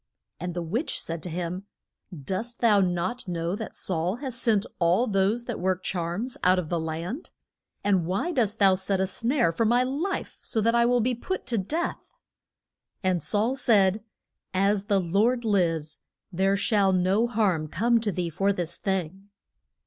And the witch said to him, Dost thou not know that Saul has sent all those that work charms out of the land? And why dost thou set a snare for my life, so that I will be put to death? And Saul said, As the Lord lives there shall no harm come to thee for this thing.